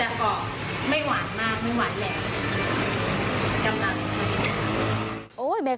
น้ำตาลมะคารข้าวแพ้นะคะ